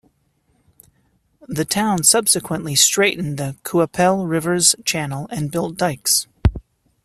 The town subsequently straightened the Qu'Appelle River’s channel and built dikes.